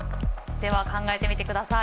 では考えてみてください。